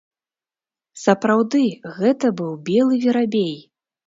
Сапраўды, гэта быў белы верабей!